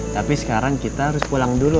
tapi sekarang kita harus pulang dulu